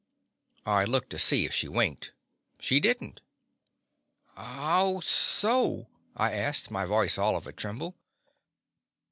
I looked to see if she winked. She did n't. "How so?" I asked, my voice all of a tremble.